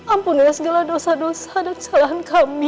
ampunlah segala dosa dosa dan kesalahan kami